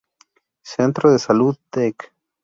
Centro de Salud Dec.